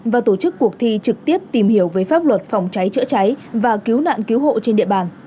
và tổ chức cuộc thi trực tiếp tìm hiểu về pháp luật phòng cháy chữa cháy và cứu nạn cứu hộ trên địa bàn